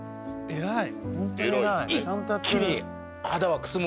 偉い。